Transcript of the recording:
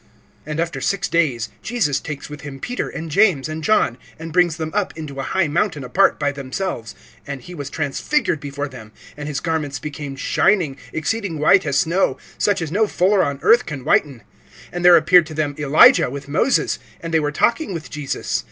(2)And after six days Jesus takes with him Peter, and James, and John, and brings them up into a high mountain apart by themselves. And he was transfigured before them. (3)And his garments became shining, exceeding white as snow, such as no fuller on earth can whiten. (4)And there appeared to them Elijah with Moses; and they were talking with Jesus.